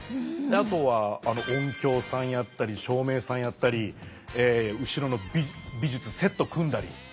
あとは音響さんやったり照明さんやったり後ろの美術セット組んだり。